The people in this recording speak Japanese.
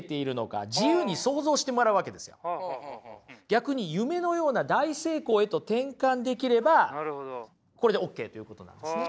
逆に夢のような大成功へと転換できればこれでオッケーということなんですね。